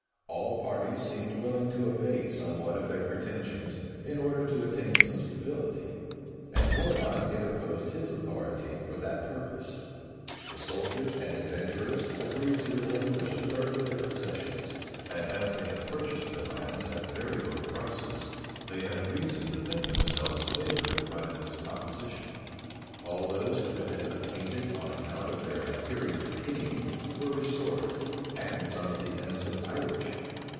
All parties seemed willing to abate somewhat of their pretensions, in order to attain some stability; and Ormond interposed his authority for that purpose. The soldiers and adventurers agreed to relinquish a third of their possessions; and as they had purchased their lands at very low prices, they had reason to think themselves favored by this composition. All those who had been attainted on account of their adhering to the king, were restored; and some of the innocent Irish.